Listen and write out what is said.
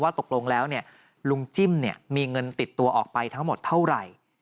ว่าตกลงแล้วเนี่ยลุงจิ้มเนี่ยมีเงินติดตัวออกไปทั้งหมดเท่าไหร่